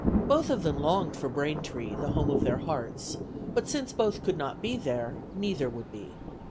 Both of them longed for Braintree, the home of their hearts, but since both could not be there, neither would be.